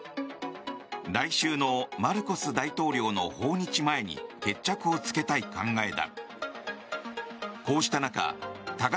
来週のマルコス大統領の訪日前に決着をつけたい考えだ。